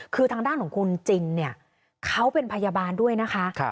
คือทางด้านของคุณจินเนี่ยเขาเป็นพยาบาลด้วยนะคะ